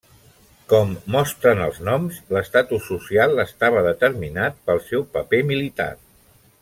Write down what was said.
Com mostren els noms, l'estatus social estava determinat pel seu paper militar.